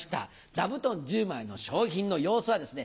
座布団１０枚の賞品の様子はですね